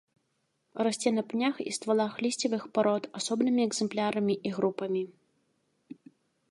Расце на пнях і ствалах лісцевых парод асобнымі экзэмплярамі і групамі.